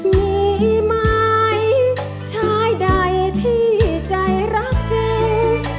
มีไม้ใช้ใดที่ใจรักจริง